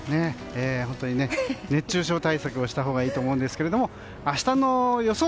本当に熱中症対策をしたほうがいいと思うんですが明日の予想